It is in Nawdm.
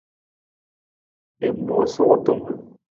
I moosa wutung.